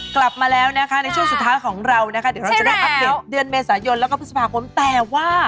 กลับมาแล้วนะคะในช่วงสุดท้ายของเรานะคะเดี๋ยวเราจะได้อัปเดตเดือนเมษายนแล้วก็พฤษภาคมแต่ว่า